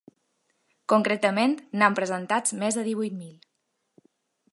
Concretament, n’han presentats més de divuit mil.